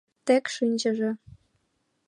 — Тек шинчыже...